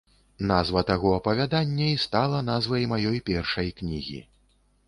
Назва таго апавядання і стала назвай маёй першай кнігі.